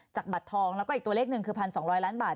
บัตรทองแล้วก็อีกตัวเลขหนึ่งคือ๑๒๐๐ล้านบาท